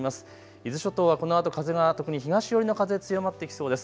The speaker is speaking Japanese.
伊豆諸島はこのあと風が特に東寄りの風、強まってきそうです。